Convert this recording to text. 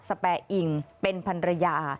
สเปอร์อิงเป็นภรรยา